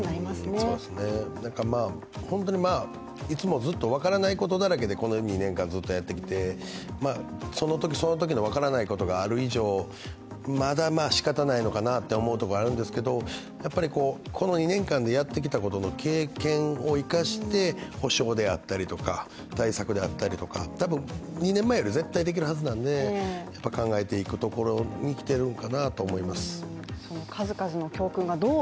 いつもずっとわからないことだらけでこの２年間ずっとやってきて、そのときそのときのわからないことがある以上まだ仕方ないのかなって思うとこあるんですけど、やっぱりこの２年間でやってきたことの経験を生かして補償であったりとか対策であったりとか、多分２年前より絶対できるはずなんで、考えていくところに来てるんかなと思います。